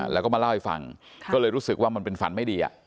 แล้วก็มาเล่าให้ฟังก็เลยรู้สึกว่ามันเป็นฝันไม่ดี